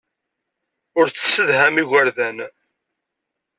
Ur tessedham igerdan.